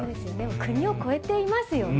国を超えていますよね。